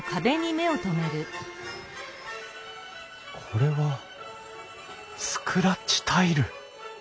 これはスクラッチタイル！